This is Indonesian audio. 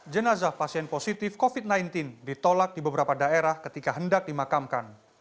jenazah pasien positif covid sembilan belas ditolak di beberapa daerah ketika hendak dimakamkan